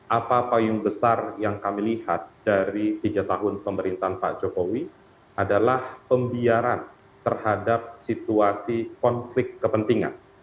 apa payung besar yang kami lihat dari tiga tahun pemerintahan pak jokowi adalah pembiaran terhadap situasi konflik kepentingan